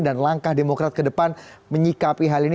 dan langkah demokrat ke depan menyikapi hal ini